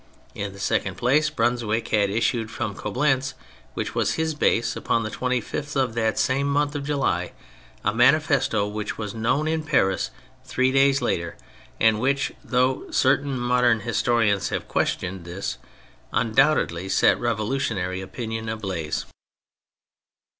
In the second place, Brunswick had issued from Coblentz, which was his base, upon the 25th of that same month of July, a manifesto which was known in Paris three days later, and which (though certain modern historians have questioned this) undoubtedly set revolutionary opinion ablaze.